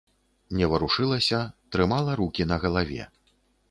Не варушылася, трымала рукі на галаве.